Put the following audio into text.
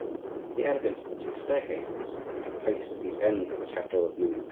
The elegance of the two staircases which are placed at each end of the chateau of Louis XII.